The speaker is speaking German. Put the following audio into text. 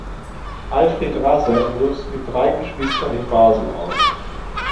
Alfred Rasser wuchs mit drei Geschwistern in Basel auf.